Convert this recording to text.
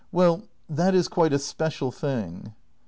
Well, that is quite a special thing.